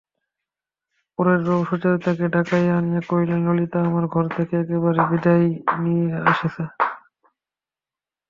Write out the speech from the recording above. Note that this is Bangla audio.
পরেশবাবু সুচরিতাকে ডাকাইয়া আনিয়া কহিলেন, ললিতা আমার ঘর থেকে একেবারে বিদায় নিয়ে এসেছে।